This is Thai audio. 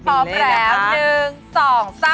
โอ้โฮ